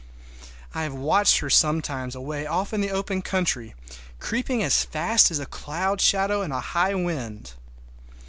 I have watched her sometimes away off in the open country, creeping as fast as a cloud shadow in a high wind.